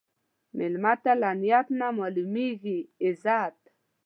مېلمه ته له نیت نه معلومېږي عزت.